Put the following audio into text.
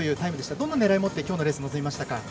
どんな狙いを持って今日のレースに臨みましたか？